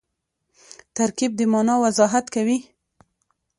ترکیب د مانا وضاحت کوي.